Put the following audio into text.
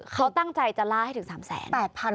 เขาตั้งใจจะล่าให้ถึง๓แสน